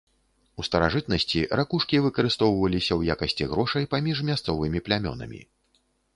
У старажытнасці ракушкі выкарыстоўваліся ў якасці грошай паміж мясцовымі плямёнамі.